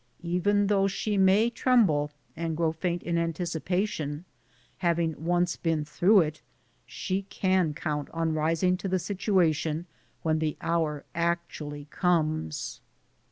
Though she may tremble and grow faint in antici pation, having once been through it, she can count on rising to the situation when the hour actually comes.